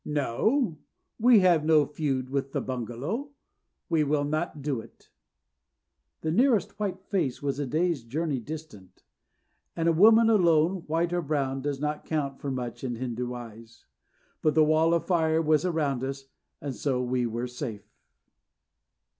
"No, we have no feud with the bungalow. We will not do it." The nearest white face was a day's journey distant, and a woman alone, white or brown, does not count for much in Hindu eyes. But the Wall of Fire was around us, and so we were safe.